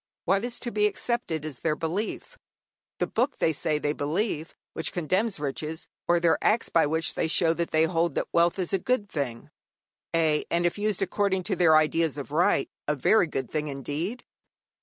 What is to be accepted as their belief: the Book they say they believe, which condemns riches, or their acts, by which they show that they hold that wealth is a good thing ay, and if used according to their ideas of right, a very good thing indeed?